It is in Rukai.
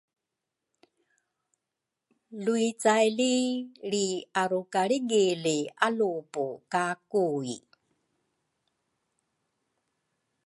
luicaily lriaukalrigili alupu ka Kui.